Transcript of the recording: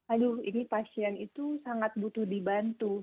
aduh ini pasien itu sangat butuh dibantu